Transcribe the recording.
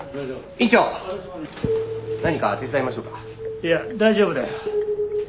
いや大丈夫だよ。